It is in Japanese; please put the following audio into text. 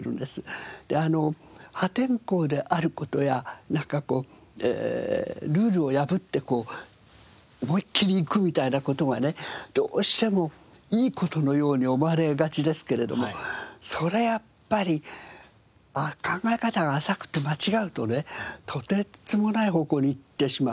破天荒である事やなんかこうルールを破って思いっきりいくみたいな事がねどうしてもいい事のように思われがちですけれどもそれはやっぱり考え方が浅くて間違うとねとてつもない方向に行ってしまう。